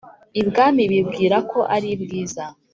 ibwami bibwirako ari bwiza